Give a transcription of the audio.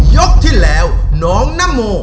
ยกที่แล้วน้องนโม